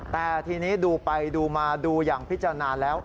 แต่ทีนี้ดูไปดูมาดูอย่างพิจารณาแล้ว